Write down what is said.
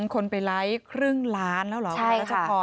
คนไปไลค์ครึ่งล้านแล้วใช่ค่ะ